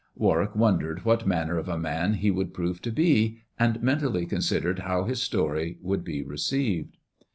Warwick wondered what manner of a man he would prove to be, and mentally considered how his story would be received.